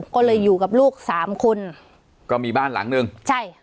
ก็เลยอยู่กับลูกสามคนก็มีบ้านหลังนึงใช่